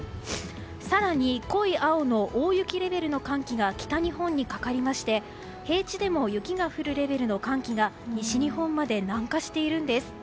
更に濃い青の大雪レベルの寒気が北日本にかかりまして平地でも雪が降るレベルの寒気が西日本まで南下しています。